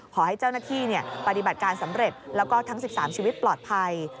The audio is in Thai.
ขอให้เจ้าหน้าที่ปฏิบัติการสำเร็จแล้วก็ทั้ง๑๓ชีวิตปลอดภัย